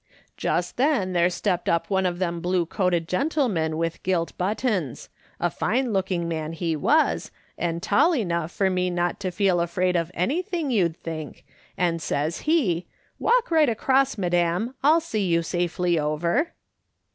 Just then there stepped up one of them blue coated gen tlemen with gilt buttons ; a fine looking man he was, and tall enough for me not to feel afraid of anything, you'd think, and says he, 'Walk right across, madam ; I'll see you safely over.'